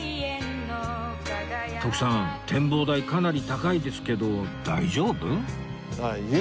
徳さん展望台かなり高いですけど大丈夫？